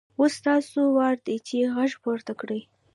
اوس ستاسو وار دی چې غږ پورته کړئ.